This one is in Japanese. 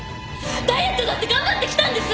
ダイエットだって頑張ってきたんです！